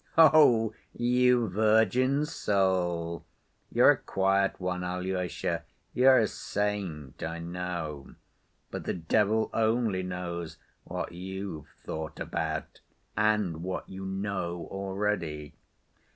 Oh, you virgin soul! You're a quiet one, Alyosha, you're a saint, I know, but the devil only knows what you've thought about, and what you know already!